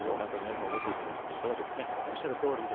皆さん思ってるんですがいかがでしょうか。